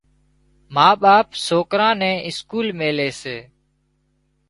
ما ٻاپ سوڪران نين اسڪول ميلي سي۔